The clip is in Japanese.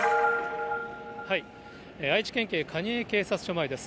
愛知県警蟹江警察署前です。